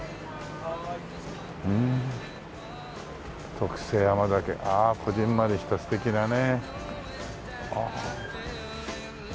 「特製あまざけ」ああこぢんまりした素敵なね。